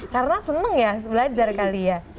karena seneng ya belajar kali ya